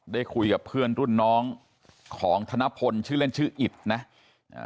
ได้คุยกับเพื่อนรุ่นน้องของธนพลชื่อเล่นชื่ออิตนะอ่า